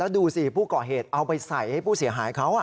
ดูสิผู้ก่อเหตุเอาไปใส่ให้ผู้เสียหายเขา